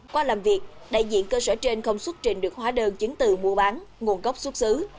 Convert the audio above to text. qua làm việc đại diện cơ sở trên không xuất trình được hóa đơn chứng từ mua bán nguồn gốc xuất xứ